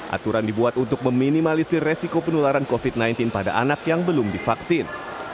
aturan dibuat untuk meminimalisir resiko penularan covid sembilan belas pada anak yang belum divaksin